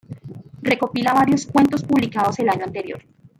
Recopila varios cuentos publicados el año anterior.